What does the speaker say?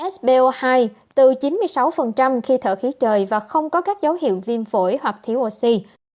so hai từ chín mươi sáu khi thở khí trời và không có các dấu hiệu viêm phổi hoặc thiếu oxy